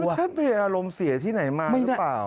ท่านไปอารมณ์เสียที่ไหนมาหรือเปล่า